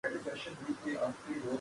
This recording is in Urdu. ایک تاریخی عمل ہے۔